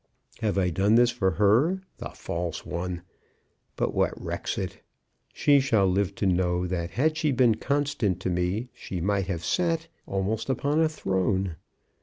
Have I done this for her, the false one? But what recks it? She shall live to know that had she been constant to me she might have sat almost upon a throne!"